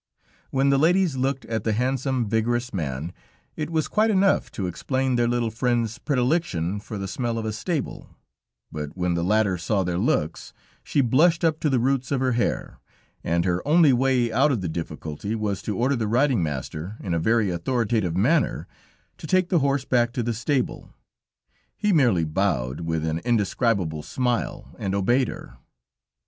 When the ladies looked at the handsome, vigorous man, it was quite enough to explain their little friend's predilection for the smell of a stable, but when the latter saw their looks, she blushed up to the roots of her hair, and her only way out of the difficulty was to order the riding master, in a very authoritative manner, to take the horse back to the stable. He merely bowed, with an indescribable smile, and obeyed her.